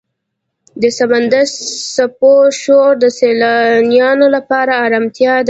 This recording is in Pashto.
د سمندر څپو شور د سیلانیانو لپاره آرامتیا ده.